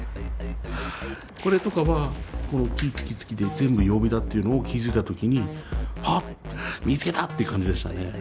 これとかはこの「木」「月」「月」で全部曜日だっていうのを気付いた時に「あっ見つけた！」って感じでしたね。